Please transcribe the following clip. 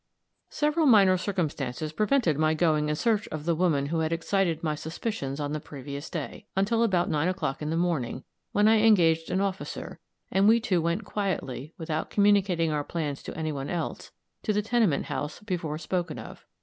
Several minor circumstances prevented my going in search of the woman who had excited my suspicions on the previous day, until about nine o'clock of the morning, when I engaged an officer, and we two went quietly, without communicating our plans to any one else, to the tenement house before spoken of.